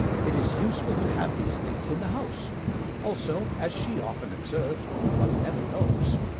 It is useful to have these things in the house. Also, as she often observed, one never knows.